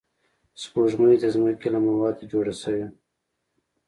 سپوږمۍ د ځمکې له موادو جوړه شوې